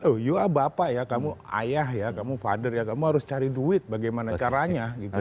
oh iya bapak ya kamu ayah ya kamu father ya kamu harus cari duit bagaimana caranya gitu